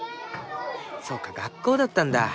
そうか学校だったんだ。